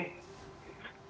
ya betul kita masih